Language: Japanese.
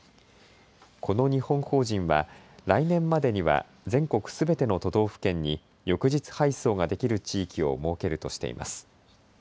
この日本法人は来年までには全国すべての都道府県に翌日配送ができる地域を設けるとしています。